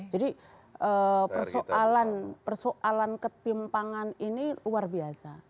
jadi persoalan ketimpangan ini luar biasa